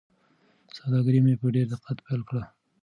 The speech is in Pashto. سوداګري مې په ډېر دقت پیل کړه.